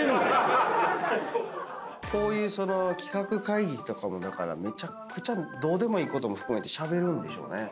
こういう企画会議とかもだからめちゃくちゃどうでもいいことも含めてしゃべるんでしょうね。